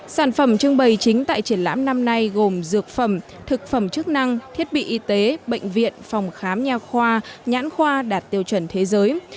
sản phẩm trưng bày chính tại triển lãm năm nay gồm dược phẩm thực phẩm chức năng thiết bị y tế bệnh viện phòng khám nhà khoa nhãn khoa đạt tiêu chuẩn thế giới